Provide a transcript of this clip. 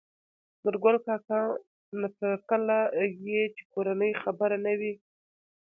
نورګل کاکا : نه تر کله يې چې کورنۍ خبره نه وي